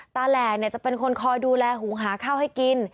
แหล่จะเป็นคนคอยดูแลหุงหาข้าวให้กิน